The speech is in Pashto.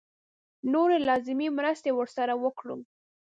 نورې لازمې مرستې ورسره وکړو.